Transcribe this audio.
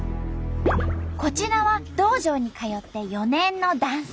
こちらは道場に通って４年の男性。